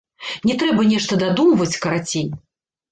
Не трэба нешта дадумваць, карацей.